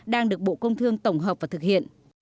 đang được bộ công thương tổng hợp và thực hiện